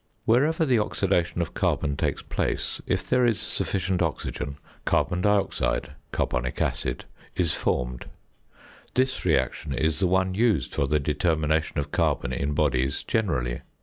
Wherever the oxidation of carbon takes place, if there is sufficient oxygen, carbon dioxide (carbonic acid) is formed; this re action is the one used for the determination of carbon in bodies generally.